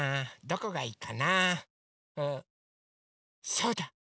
そうだ！